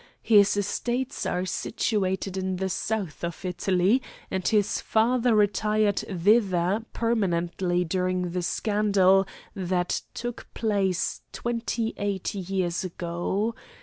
His estates are situated in the South of Italy, and his father retired thither permanently during the scandal that took place twenty eight years ago.